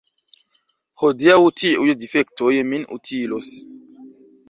Hodiaŭ tiuj difektoj min utilos.